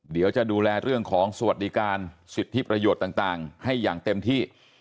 เดี๋ยวจะดูแลเรื่องของสวัสดิการสิทธิประโยชน์ต่างให้อย่างเต็มที่